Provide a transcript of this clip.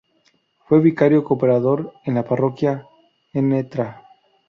Fue vicario cooperador en la parroquia Ntra.